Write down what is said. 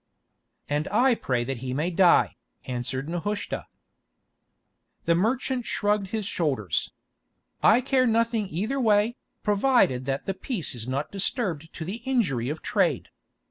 "And I pray that he may die," answered Nehushta. The merchant shrugged his shoulders. "I care nothing either way, provided that the peace is not disturbed to the injury of trade.